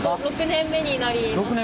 ６年目になります。